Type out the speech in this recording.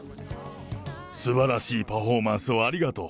すばらしいパフォーマンスをありがとう。